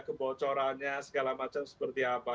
kebocorannya segala macam seperti apa